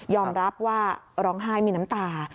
รับว่าร้องไห้มีน้ำตา